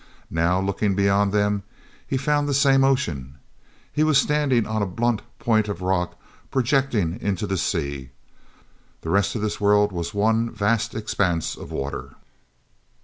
Now, looking beyond them, he found the same ocean; he was standing on a blunt point of rock projecting into the sea. The rest of this world was one vast expanse of water.